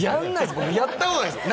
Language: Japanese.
やったことないですよ。